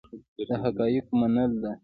د حقایقو منل ده.